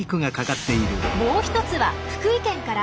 もう一つは福井県から。